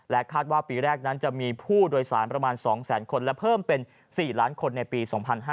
คาดว่าปีแรกนั้นจะมีผู้โดยสารประมาณ๒แสนคนและเพิ่มเป็น๔ล้านคนในปี๒๕๕๙